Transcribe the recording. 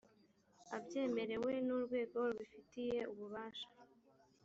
abyemerewe n urwego rubifitiye ububasha